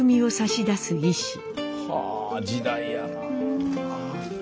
はあ時代やな。